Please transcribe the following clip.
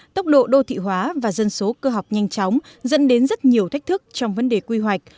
tốc độ đô thị hóa và dân số cơ học nhanh chóng dẫn đến rất nhiều thách thức trong vấn đề quy hoạch